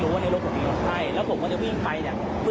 เกือบให้พี่จะต้องเอาผมไปด้วยนั่นล่ะ